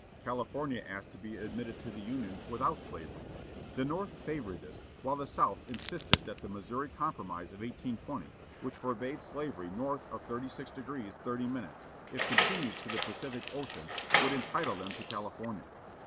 California asked to be admitted to the Union without slavery. The North favored this, while the South insisted that the Missouri Compromise of 1820, which forbade slavery north of 36° 30', if continued to the Pacific Ocean, would entitle them to California.